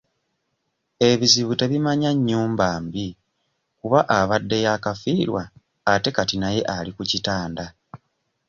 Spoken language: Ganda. Ebizibu tebimanya nnyumba mbi kuba abadde yakafiirwa ate kati naye ali ku kitanda.